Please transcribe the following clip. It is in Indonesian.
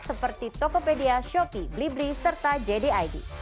seperti tokopedia shopee blibli serta jdid